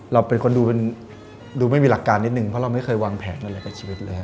เราเป็นคนดูไม่มีหลักการนิดนึงเพราะเราไม่เคยวางแผนอะไรกับชีวิตเลย